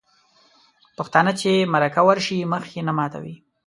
پښتانه چې مرکه ورشي مخ یې نه ماتوي.